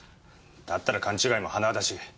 だったら勘違いも甚だしい。